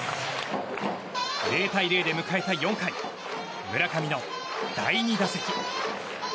０対０で迎えた４回村上の第２打席。